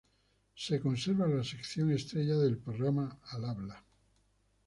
Se conserva la sección estrella del programa "Al habla".